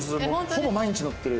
ほぼ毎日乗ってる。